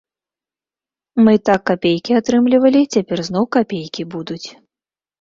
Мы і так капейкі атрымлівалі, цяпер зноў капейкі будуць.